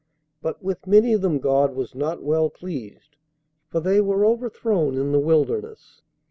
But with many of them God was not well pleased; for they were overthrown in the wilderness.